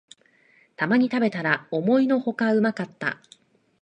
たまに食べたら思いのほかうまかった